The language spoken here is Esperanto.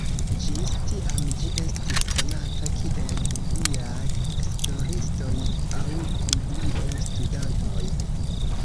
Ĝis tiam ĝi estis konata kiel "Bibliaj esploristoj" aŭ "Biblio-studantoj".